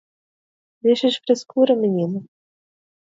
Deixa de frescura menino